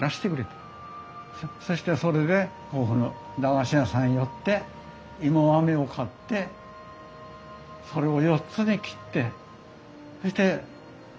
そしてそれでここの駄菓子屋さん寄って芋あめを買ってそれを４つに切ってそして一つずつ食べました。